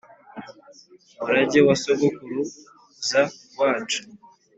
murage wa sogokuruza wacu